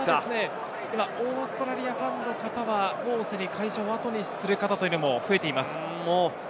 オーストラリアファンの方は会場をあとにする人も増えています。